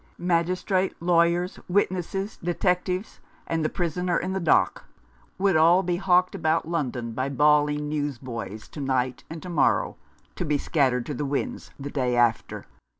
Magistrate, lawyers, witnesses, detectives, and the prisoner in the dock would all be hawked about London by bawling newsboys to night and to morrow, to be scattered to the winds the day after.